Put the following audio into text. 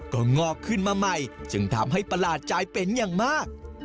ก็งอกขึ้นมาใหม่จึงทำให้ประหลาดใจเป็นอย่างมาก